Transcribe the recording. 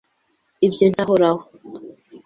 Ibyo ntibizahoraho.